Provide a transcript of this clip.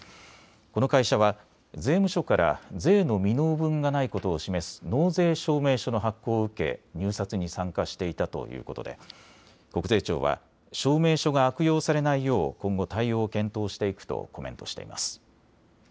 この会社は税務署から税の未納分がないことを示す納税証明書の発行を受け入札に参加していたということで国税庁は証明書が悪用されないよう今後、対応を検討していくとコメントしています。